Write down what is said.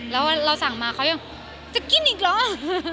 แล้วเราสั่งมาเขายังจะกินอีกเหรอ